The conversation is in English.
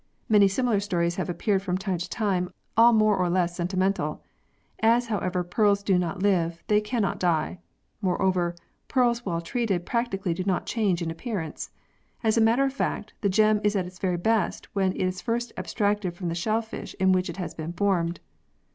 Many similar stories have appeared from time to time, all more or less sentimental. As, however, pearls do not live, they cannot die. Moreover, pearls well treated practically do not change in appearance. As a matter of fact, the gem is at its very best when it is first abstracted from the shellfish in which it has been formed.